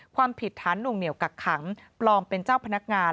ความผิดฐานหน่วงเหนียวกักขังปลอมเป็นเจ้าพนักงาน